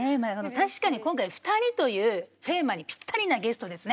確かに今回「２人」というテーマにぴったりなゲストですね。